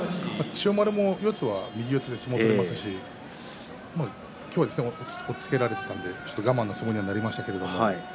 千代丸も四つは右四つで相撲を取れますし今日は押っつけられていたんで我慢の相撲になりました。